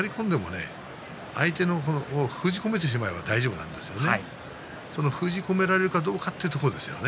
とにかく引っ張り込んでも相手を封じ込めてしまえば大丈夫なんですね。